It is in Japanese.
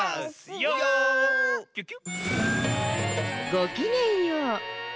ごきげんよう。